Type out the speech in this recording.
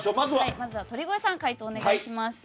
まずは鳥越さん回答をお願いします。